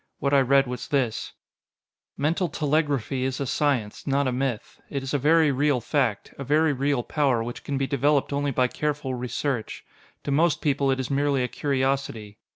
What I read was this: "Mental telegraphy is a science, not a myth. It is a very real fact, a very real power which can be developed only by careful research. To most people it is merely a curiosity.